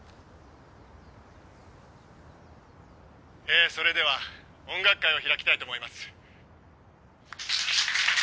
「えーそれでは音楽会を開きたいと思います」